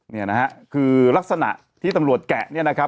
เนี่ยนะฮะคือลักษณะที่ตำรวจแกะเนี่ยนะครับ